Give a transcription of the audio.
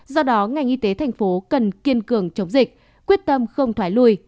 do đó ngành y tế thành phố cần kiên cường chống dịch quyết tâm không thoái lùi